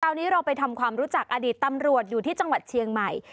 เรานี้เราไปทำความรู้จักอดีตตำรวจอยู่ที่จังหวัดเชียงใหม่